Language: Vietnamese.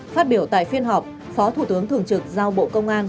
phát biểu tại phiên họp phó thủ tướng thường trực giao bộ công an